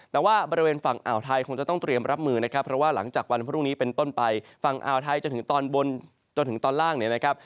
แต่ว่าบริเวณฝั่งอ่าวไทยคงจะต้องเตรียมรับมือนะครับเพราะว่าหลังจากวันพรุ่งนี้เป็นต้นไปฝั่งอ่าวไทยจนถึงตอนบนจนถึงตอนล่างเนี่ยนะครับ